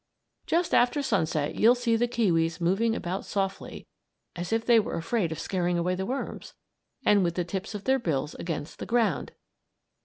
Just after sunset, you'll see the kiwis moving about softly (as if they were afraid of scaring away the worms!), and with the tips of their bills against the ground.